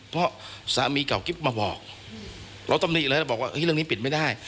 เพราะสามีเก่ากิ๊บมาบอกแล้วต้องเรียกเลยเราก็บอกว่าเรื่องนี้ปิดไม่ได้